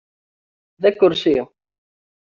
D akersi.